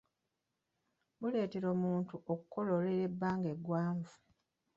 Buleetera omuntu okukololera ebbanga eggwanvu.